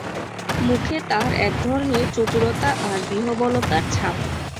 মুখে তার একধরনের চতুরতা আর বিহবলতার ছাপ।